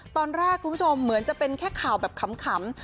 ตอนแรกคุณผู้ชมเหมือนจะเป็นแค่ข่าวแบบขำ